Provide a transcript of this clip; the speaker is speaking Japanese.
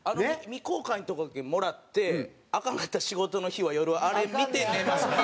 未公開のとこだけもらってアカンかった仕事の日は夜あれ見て寝ます。